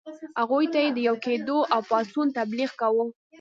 هغوی ته یې د یو کېدلو او پاڅون تبلیغ کاوه.